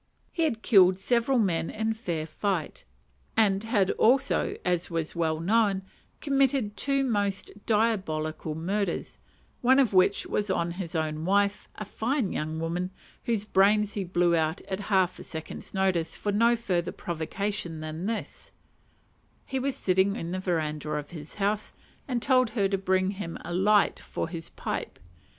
He had killed several men in fair fight, and had also as was well known committed two most diabolical murders; one of which was on his own wife, a fine young woman, whose brains he blew out at half a second's notice for no further provocation than this: he was sitting in the verandah of his house, and told her to bring him a light for his pipe.